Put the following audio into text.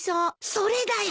それだよ！